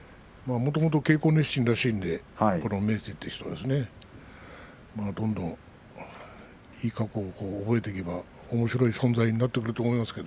もともと稽古熱心ですしこの明生はどんどんいい形を覚えていけばおもしろい存在になっていくと思いますよ。